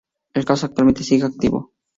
El caso actualmente sigue activo.